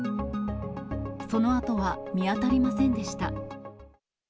その痕は見当たりませんでした。